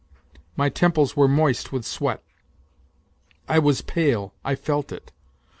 My temples were moist with sweat. I was pale, I felt it.